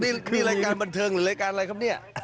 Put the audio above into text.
มีรายการบนเทิงหรืออะไรครับ